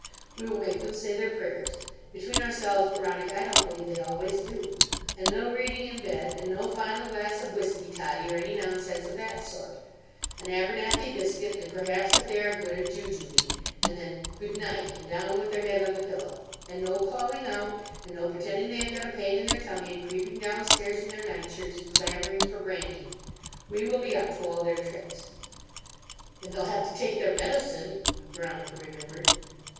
We will make them say their prayers. Between ourselves, Veronica, I don't believe they always do. And no reading in bed, and no final glass of whisky toddy, or any nonsense of that sort. An Abernethy biscuit and perhaps if they are good a jujube, and then 'Good night,' and down with their head on the pillow. And no calling out, and no pretending they have got a pain in their tummy and creeping downstairs in their night shirts and clamouring for brandy. We will be up to all their tricks." "And they'll have to take their medicine," Veronica remembered.